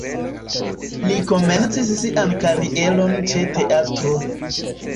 Li komencis sian karieron ĉe teatro.